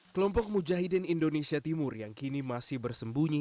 kelompok mujahidin indonesia timur yang kini masih bersembunyi